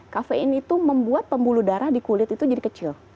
kafein itu membuat pembuluh darah di kulit itu jadi kecil